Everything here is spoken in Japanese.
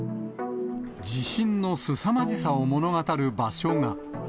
地震のすさまじさを物語る場所が。